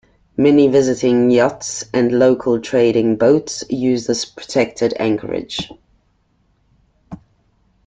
Many visiting yachts and local trading boats use this protected anchorage.